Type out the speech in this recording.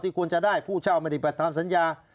ควรจะได้ผู้เช่าไม่ได้ไปตามสัญญา